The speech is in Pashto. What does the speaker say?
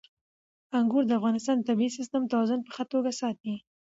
انګور د افغانستان د طبعي سیسټم توازن په ښه توګه ساتي.